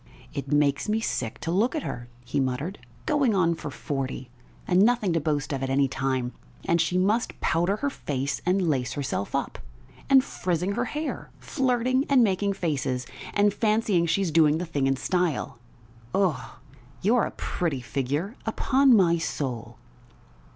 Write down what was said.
"It makes me sick to look at her!" he muttered. "Going on for forty, and nothing to boast of at any time, and she must powder her face and lace herself up! And frizzing her hair! Flirting and making faces, and fancying she's doing the thing in style! Ugh! you're a pretty figure, upon my soul!"